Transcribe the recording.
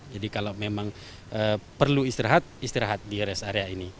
jadi kalau memang perlu istirahat istirahat di res area ini